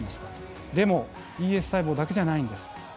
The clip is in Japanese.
でもＥＳ細胞だけじゃないんです。